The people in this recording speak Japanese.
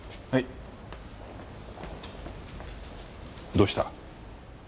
どうした？